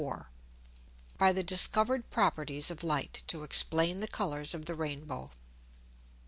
PROB. IV. _By the discovered Properties of Light to explain the Colours of the Rain bow.